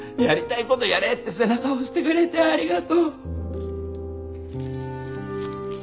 やりたいことやれって背中押してくれてありがとう。